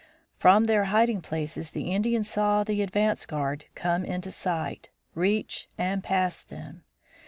From their hiding places the Indians saw the advance guard come into sight, reach, and pass them.